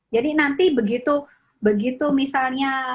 jadi nanti begitu begitu misalnya